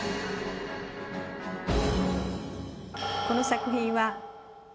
この作品は。